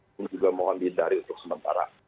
ini juga mohon dihindari untuk sementara